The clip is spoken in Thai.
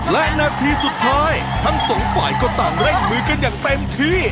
และนาทีสุดท้ายทั้งสองฝ่ายก็ต่างเร่งมือกันอย่างเต็มที่